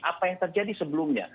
apa yang terjadi sebelumnya